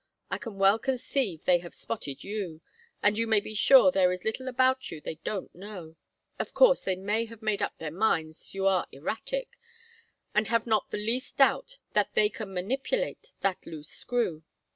I can well conceive they have spotted you, and you may be sure there is little about you they don't know. Of course they have made up their minds you are erratic, and have not the least doubt that they can manipulate that loose screw.